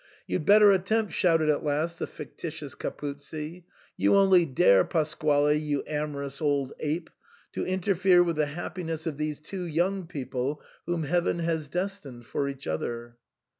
149 "You'd better attempt," shouted at last the fictitious Capuzzi, " you only dare, Pasquale, you amorous old ape, to interfere with the happiness of these two young people, whom Heaven has destined for each other."